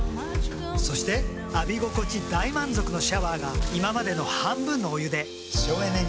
そして浴び心地大満足のシャワーが今までの半分のお湯で省エネに。